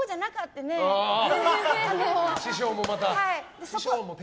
師匠もまた。